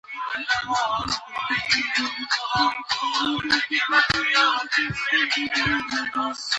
علي تل ډېره هڅه کوي، چې د دفتر په کارونو کې خطا ونه کړي.